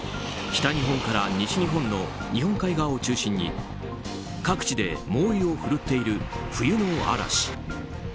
北日本から西日本の日本海側を中心に各地で猛威を振るっている冬の嵐。